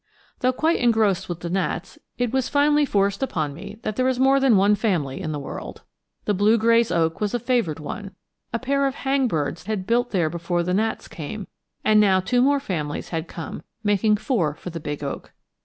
Though quite engrossed with the gnats, it was finally forced upon me that there is more than one family in the world. The blue gray's oak was a favored one. A pair of hang birds had built there before the gnats came, and now two more families had come, making four for the big oak.